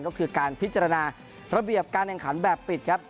ก็คือการพิจารณาระเบียบการแข่งขันแบบปิดครับ